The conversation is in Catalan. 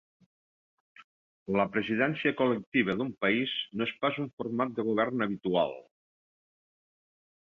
La presidència col·lectiva d’un país no és pas un format de govern habitual.